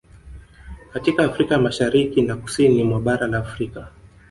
Katika Afrika ya Mashariki na Kusini mwa bara la Afrika